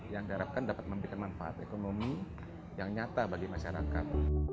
yang diharapkan dapat memberikan manfaat ekonomi yang nyata bagi masyarakat